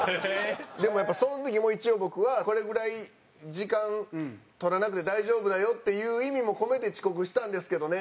でもやっぱその時も一応僕は「これぐらい時間取らなくて大丈夫だよっていう意味も込めて遅刻したんですけどね」